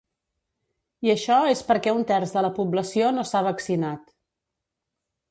I això és perquè un terç de la població no s’ha vaccinat.